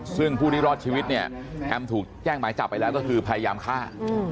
ซึ่งผู้ที่รอดชีวิตเนี่ยแอมถูกแจ้งหมายจับไปแล้วก็คือพยายามฆ่า